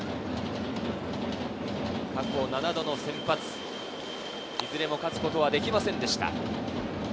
過去７度の先発、いずれも勝つことはできませんでした。